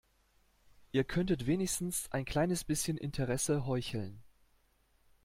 Ihr könntet wenigstens ein kleines bisschen Interesse heucheln.